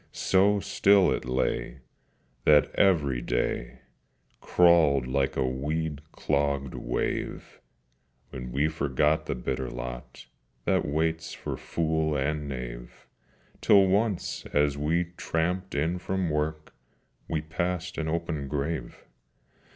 So still it lay that every day Crawled like a weed clogged wave: And we forgot the bitter lot That waits for fool and knave, Till once, as we tramped in from work, We passed an open grave.